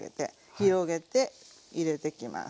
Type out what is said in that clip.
広げて入れてきます。